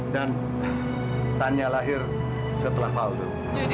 dan tanya lahir setelah valdo